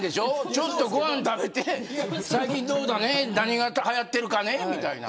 ちょっとご飯食べて最近どうだね何がはやってるかねみたいな。